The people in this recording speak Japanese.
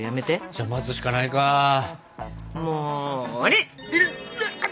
じゃあ待つしかないか。も。